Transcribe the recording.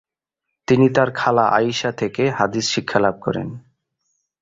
তিনি তার খালা আয়িশা থেকে হাদিস শিক্ষা লাভ করেন।